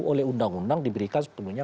oleh undang undang diberikan sepenuhnya